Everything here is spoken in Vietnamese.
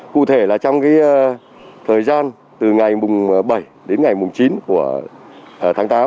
cụ thể là trong thời gian từ ngày bảy đến ngày chín tháng tám